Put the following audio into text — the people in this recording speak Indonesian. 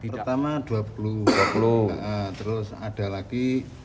pertama dua puluh terus ada lagi